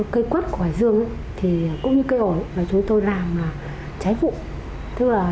cây quất của hải dương cũng như cây ổ chúng tôi làm trái vụ